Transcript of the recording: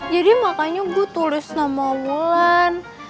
jadi makanya gue tulis nama ulan